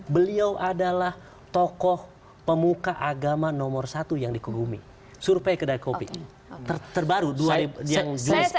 beliau adalah tokoh pemuka agama nomor satu yang dikegumi survei kedai kopi terbaru yang jelas